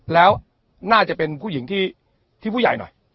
แล้วน่าจะเป็นผู้หญิงที่ผู้ใหญ่หน่อย